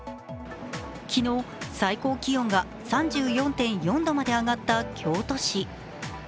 昨日、最高気温が３４．４度まで上がった京都市。